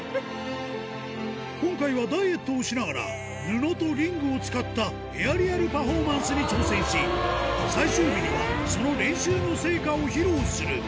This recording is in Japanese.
今回はダイエットをしながら布とリングを使ったエアリアルパフォーマンスに挑戦し最終日にはその練習の成果を披露する